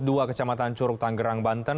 dua kecamatan curug tanggerang banten